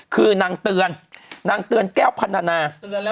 คือนางเตือนนางเตือนแก้วพันธนา